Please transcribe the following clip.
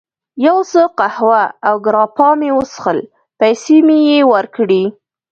یو څه قهوه او ګراپا مې وڅښل، پیسې مې یې ورکړې.